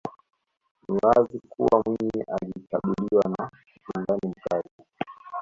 Ni wazi kuwa Mwinyi alikabiliwa na upinzani mkali